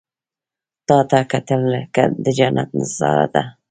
• تا ته کتل، لکه د جنت نظاره ده.